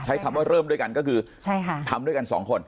ใช้คำว่าเริ่มด้วยกันก็คือทำด้วยกันสองคน